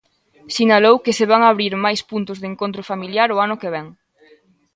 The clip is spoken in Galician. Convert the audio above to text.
Sinalou que se van abrir máis puntos de encontro familiar o ano que vén.